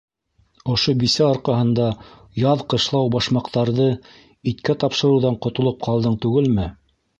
Ошо бисә арҡаһында яҙ ҡышлау башмаҡтарҙы иткә тапшырыуҙан ҡотолоп ҡалдың түгелме?